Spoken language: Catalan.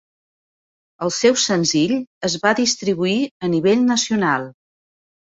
El seu senzill es va distribuir a nivell nacional.